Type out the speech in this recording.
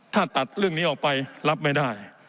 ถ้าตัดเรื่องนี้ออกไปรับไม่ได้